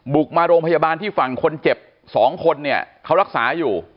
มาโรงพยาบาลที่ฝั่งคนเจ็บ๒คนเนี่ยเขารักษาอยู่